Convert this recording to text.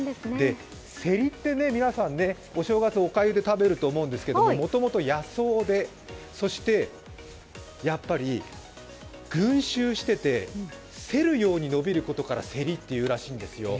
セリって皆さん、お正月、おかゆで食べると思うんですけど、もともと野草で、そしてやっぱり群集してて競るように伸びることからセリっていうらしんいですよ。